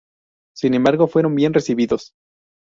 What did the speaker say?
Sin embargo fueron bien recibidos.